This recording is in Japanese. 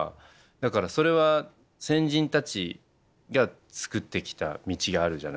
だからそれは先人たちが作ってきた道があるじゃないですか。